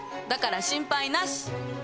だから心配なし。